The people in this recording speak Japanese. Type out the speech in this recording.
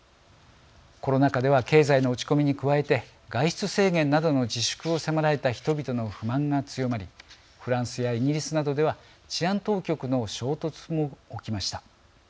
コロナ禍では経済の落ち込みに加えて外出制限などの自粛を迫られた人々の不満が強まりフランスやイギリスなどでは治安当局の衝突も起きました。